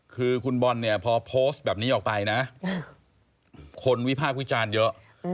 คือคุณบอลเนี่ยพอโพสต์แบบนี้ออกไปนะคนวิพากษ์วิจารณ์เยอะ